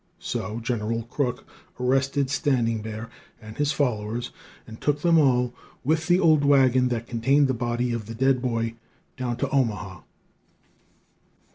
So General Crook arrested Standing Bear and his followers, and took them all, with the old wagon that contained the body of the dead boy, down to Omaha.